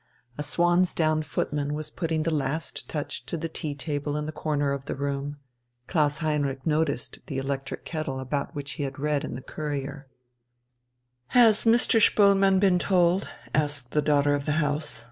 A swan's down footman was putting the last touch to the tea table in a corner of the room; Klaus Heinrich noticed the electric kettle about which he had read in the Courier. "Has Mr. Spoelmann been told?" asked the daughter of the house....